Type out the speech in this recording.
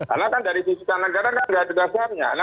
karena kan dari sisi tata negara nggak ada dasarnya